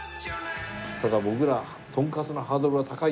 ただ僕らとんかつのハードルは高いよね。